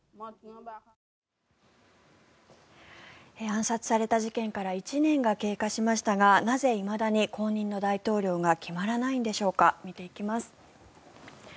暗殺された事件から１年が経過しましたがなぜいまだに後任の大統領が決まらないんでしょうか見ていきます。